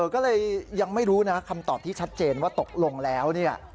ก็เลยยังไม่รู้นะคำตอบที่ชัดเจนว่าตกลงแล้วเนี่ย